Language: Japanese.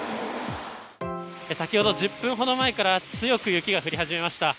先ほど１０分ほど前から、強く雪が降り始めました。